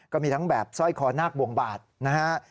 ก็มีทั้งแบบสร้อยคอนาคบวงบาดนะฮะ